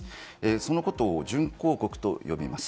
そのことを準抗告と呼びます。